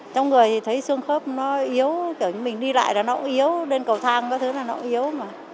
trong người thì thấy xương khớp nó yếu kiểu như mình đi lại là nó yếu lên cầu thang các thứ là nó yếu mà